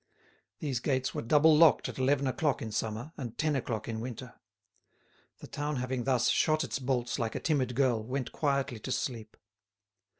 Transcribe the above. These gates were double locked at eleven o'clock in summer, and ten o'clock in winter. The town having thus shot its bolts like a timid girl, went quietly to sleep.